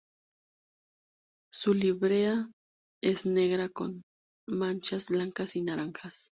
Su librea es negra con manchas blancas y naranjas.